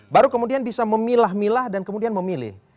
baru kemudian bisa memilah milah dan kemudian memilih